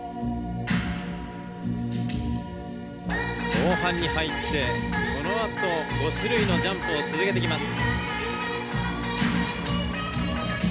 後半に入ってこのあと５種類のジャンプを続けてきます。